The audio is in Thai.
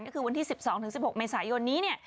ก็คือวันที่๑๒๑๖เมษายนนี้